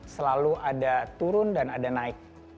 selalu ada turun dan ada naik